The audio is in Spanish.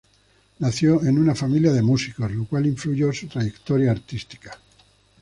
Nació en una familia de músicos, lo cual influyó su trayectoria artística.